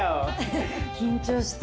緊張した。